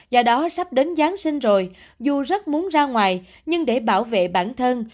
do đó sắp đến giáng sinh rồi dù rất muốn ra ngoài nhưng để bảo vệ bản thân